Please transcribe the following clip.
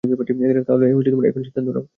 তাহলে এখন সিদ্ধান্ত নাও।